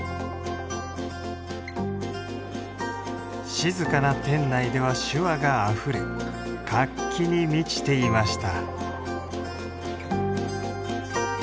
静かな店内では手話があふれ活気に満ちていました